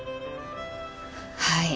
はい。